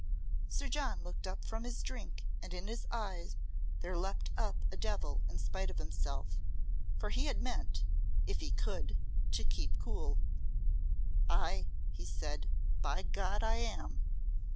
Sir John looked up from his drink and in his eye there leapt up a devil in spite of himself, for he had meant if he could to keep cool. "Ay," he said, "by God! I am."